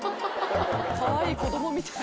かわいい子供みたい。